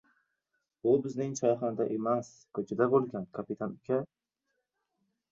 Bu bizning choyxonada emas, ko‘chada bo‘lgan, kapitan uka.